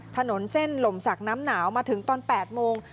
ถนนเส้นลมศักดิ์น้ำหนาวมาถึงตอน๘โมง